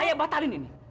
ayah batalin ini